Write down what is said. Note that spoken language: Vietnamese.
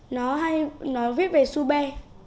nó hay nó viết về su bê